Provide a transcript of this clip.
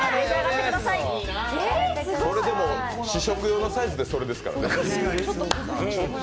それ、試食用のサイズでこれですからね。